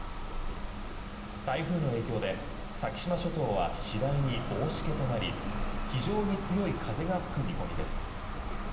台風の影響で先島諸島は次第に大しけとなり非常に強い風が吹く見込みです。